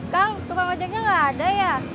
kal tukang wajahnya gak ada ya